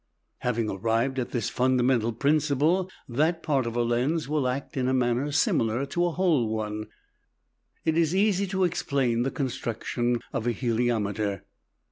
Having arrived at the fundamental principle that part of a lens will act in a manner similar to a whole one, it is easy to explain the construction of a heliometer.